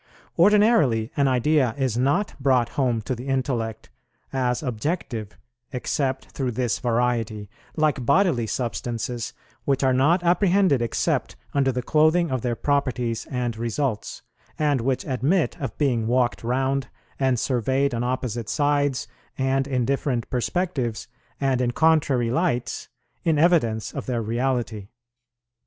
Ordinarily an idea is not brought home to the intellect as objective except through this variety; like bodily substances, which are not apprehended except under the clothing of their properties and results, and which admit of being walked round, and surveyed on opposite sides, and in different perspectives, and in contrary lights, in evidence of their reality.